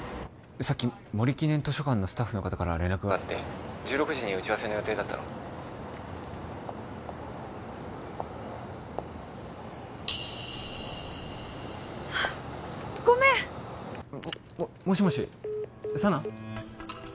さっき森記念図書館のスタッフの方から連絡があって☎１６時に打ち合わせの予定だったろごめん！ももしもし佐奈？